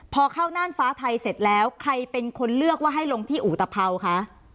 พอเข้าน่านฟ้าไทยเสร็จแล้วใครเป็นคนเลือกว่าให้ลงที่อุตภัวคะ